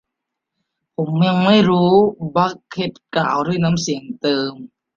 ผมยังไม่รู้ บัคเค็ตกล่าวด้วยน้ำเสียงเดิม